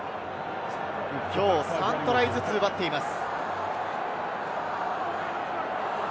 きょうは３トライずつ奪っています。